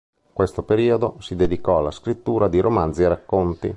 In questo periodo, si dedicò alla scrittura di romanzi e racconti.